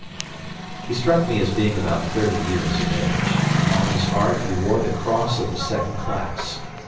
He struck me as being about thirty years of age, and on his heart he wore the Cross of the second class.